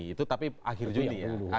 itu tapi akhir juli ya